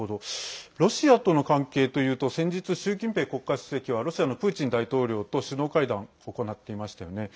ロシアとの関係というと先日、習近平国家主席はロシアのプーチン大統領と首脳会談を行っていましたよね。